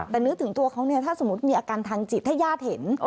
แต่นึกถึงตัวเขาเนี่ยถ้าสมมุติมีอาการทางจิตถ้าญาติเห็น